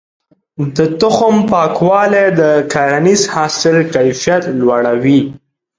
د تخم پاکوالی د کرنیز حاصل کيفيت لوړوي.